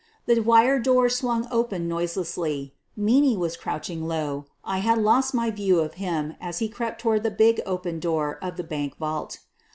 The wire door swung open noiselessly; Meaney was crouching low; I had lost my view of him as he crept toward the big open door of the bank vault.